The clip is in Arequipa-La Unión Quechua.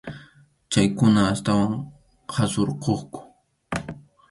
Chaykuna astawan qhasurquqku.